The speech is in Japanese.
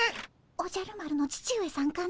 おじゃる丸の父上さんかね？